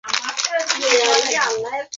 ফরহাদ আহম্মেদ কাঞ্চন মুক্তিযোদ্ধা ছিলেন।